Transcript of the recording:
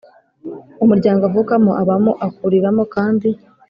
Umuryango avukamo abamo akuriramo kandi